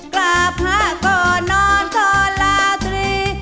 กล่าพะก่อนนอนขอลาสรี